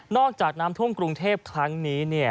จากน้ำท่วมกรุงเทพครั้งนี้